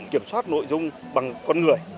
kiểm soát nội dung bằng con người